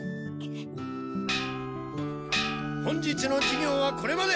本日の授業はこれまで！